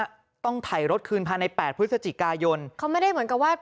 ต้องถ่ายรถคืนภายในแปดพฤศจิกายนเขาไม่ได้เหมือนกับว่า